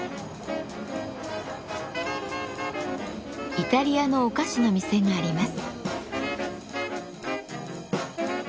イタリアのお菓子の店があります。